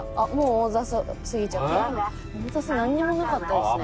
大指なんにもなかったですね。